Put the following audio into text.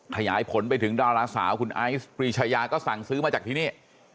ขยายผลไปถึงดาราสาวคุณไอซ์ปรีชายาก็สั่งซื้อมาจากที่นี่